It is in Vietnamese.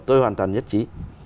tôi hoàn toàn nhất trí